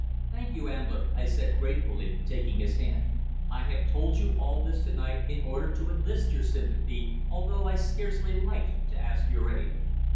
"Thank you, Ambler," I said gratefully, taking his hand. "I have told you all this to night in order to enlist your sympathy, although I scarcely liked to ask your aid.